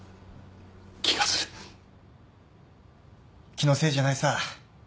気のせいじゃないさ。